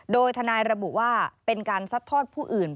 โดยทนายระบุว่าเป็นการซัดทอดผู้อื่น